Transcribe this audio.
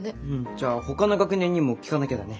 じゃあほかの学年にも聞かなきゃだね。